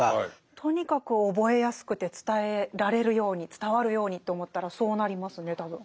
とにかく覚えやすくて伝えられるように伝わるようにと思ったらそうなりますね多分。